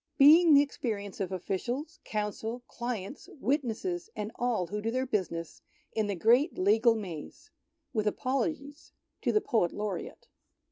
Being the experience of Officials, Counsel, Clients, Wit nesses, and all who do their business in the Great Legal Maze. With apologies to the Poet Laureate.